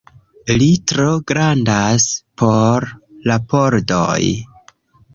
Li tro grandas por la pordoj